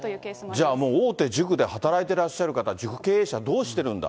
じゃあもう大手塾で働いてらっしゃる方、塾経営者、どうしてるんだ。